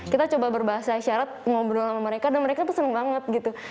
kita coba berbahasa isyarat ngobrol sama mereka dan mereka pesen banget gitu